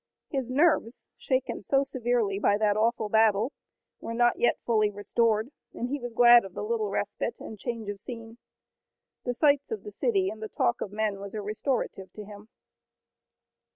His nerves, shaken so severely by that awful battle, were not yet fully restored and he was glad of the little respite, and change of scene. The sights of the city and the talk of men were a restorative to him.